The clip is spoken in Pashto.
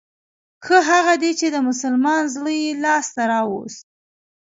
ښه هغه دی چې د مسلمان زړه يې لاس ته راووست.